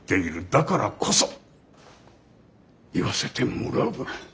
だからこそ言わせてもらうが。